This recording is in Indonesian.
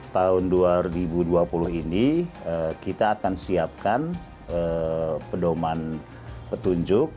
tahun dua ribu dua puluh ini kita akan siapkan pedoman petunjuk